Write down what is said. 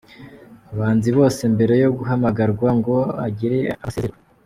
Abahanzi bose mbere yo guhamagarwa ngo hagire abasezererwa.